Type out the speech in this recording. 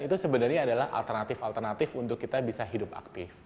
itu sebenarnya adalah alternatif alternatif untuk kita bisa hidup aktif